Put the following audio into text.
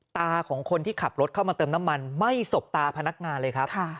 ตาของคนที่ขับรถเข้ามาเติมน้ำมันไม่สบตาพนักงานเลยครับ